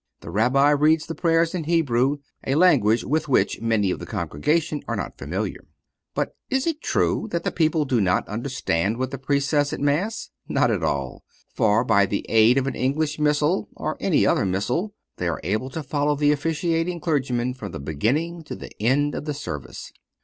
The Rabbi reads the prayers in Hebrew, a language with which many of the congregation are not familiar. But is it true that the people do not understand what the Priest says at Mass? Not at all. For, by the aid of an English Missal, or any other Manual, they are able to follow the officiating clergyman from the beginning to the end of the service.